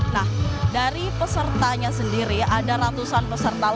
nah dari pesertanya sendiri ada ratusan peserta